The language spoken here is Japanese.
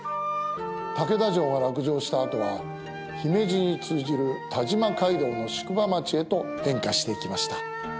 竹田城が落城したあとは姫路に通じる但馬街道の宿場町へと変化していきました。